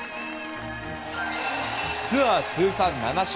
ツアー通算７勝！